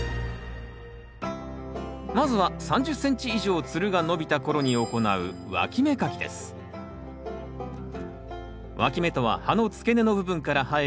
まずは３０ｃｍ以上つるが伸びた頃に行うわき芽とは葉の付け根の部分から生える芽のこと。